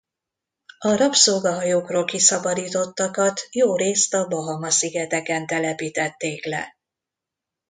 A rabszolgahajókról kiszabadítottakat jórészt a Bahama-szigeteken telepítették le.